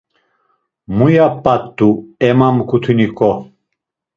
Muya p̌at̆u, emamǩutinuǩo.